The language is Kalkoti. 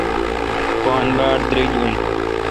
پان باڑ دیریگ این۔